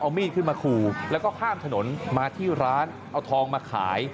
เอามีดขึ้นมาขู่แล้วก็ข้ามถนนมาที่ร้านเอาทองมาขาย